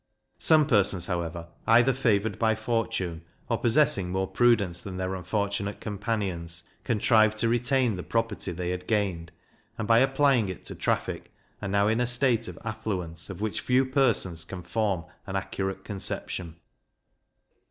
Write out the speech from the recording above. Some persons, however, either favoured by fortune, or possessing more prudence than their unfortunate companions, contrived to retain the property they had gained, and by applying it to traffic are now in a state of affluence of which few persons can form an accurate conception.